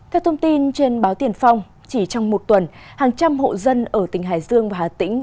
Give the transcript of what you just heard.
theo thông tin trên báo tiền phong chỉ trong một tuần hàng trăm hộ dân ở tỉnh hải dương và hà tĩnh